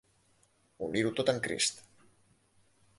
"Unir-ho tot en Crist".